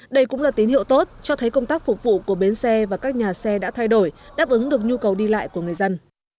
đây cũng là tín hiệu tốt cho thấy công tác phục vụ của bến xe và các nhà xe đã thay đổi đáp ứng được nhu cầu đi lại của người dân